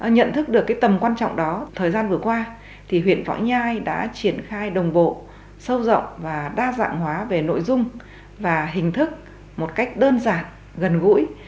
nhận thức được tầm quan trọng đó thời gian vừa qua thì huyện võ nhai đã triển khai đồng bộ sâu rộng và đa dạng hóa về nội dung và hình thức một cách đơn giản gần gũi